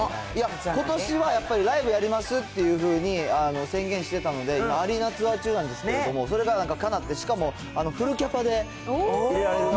ことしはやっぱり、ライブやりますっていうふうに、宣言してたので、今、アリーナツアー中なんですけど、それがなんかかなって、しかも、フルキャパで入れられると。